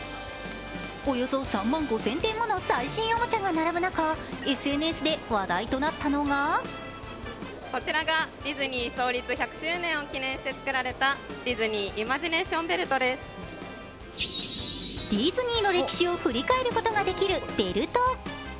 およそ３万５０００点もの最新おもちゃが並ぶ中、ＳＮＳで話題となったのがディズニーの歴史を振り返ることができるベルト。